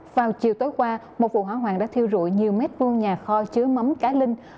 vào chiều tối qua một vụ hỏa hoạn đã thiêu rụi nhiều mét vuông nhà kho chứa mắm cá linh